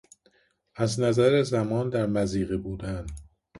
از نظر زمان در مضیقه بودن